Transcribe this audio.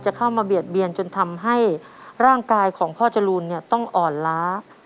เข้ามาเบียดเบียนจนทำให้ร่างกายของพ่อจรูนต้องอ่อนล้า